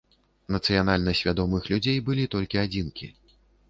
Нацыянальна свядомых людзей былі толькі адзінкі.